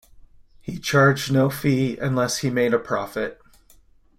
He charged no fee unless he made a profit.